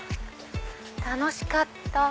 楽しかった。